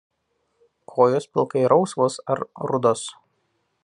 Kojos pilkai rausvos ar rudos.